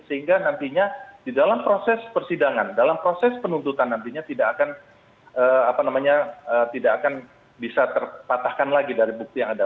sehingga nantinya di dalam proses persidangan dalam proses penuntutan nantinya tidak akan bisa terpatahkan lagi dari bukti yang ada